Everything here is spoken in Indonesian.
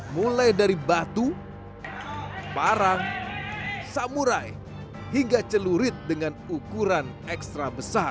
mulai dari batu parang samurai hingga celurit dengan ukuran ekstra besar